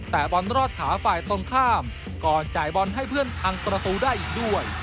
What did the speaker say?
แต่บอลรอดขาฝ่ายตรงข้ามก่อนจ่ายบอลให้เพื่อนพังประตูได้อีกด้วย